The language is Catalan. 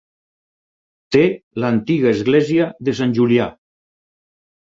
Té l'antiga església de Sant Julià.